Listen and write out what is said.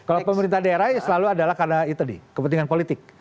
kalau pemerintah daerah ya selalu adalah karena itu tadi kepentingan politik